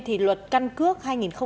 thì luật căn cước hai nghìn hai mươi ba